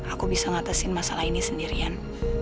aku bisa ngatasin masalah ini sendirian